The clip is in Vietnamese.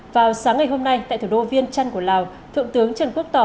vào sáng ngày hôm nay tại thủ đô viên trăn của lào thượng tướng trần quốc tỏ